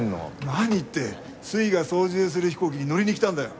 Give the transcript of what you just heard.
何って粋が操縦する飛行機に乗りに来たんだよ。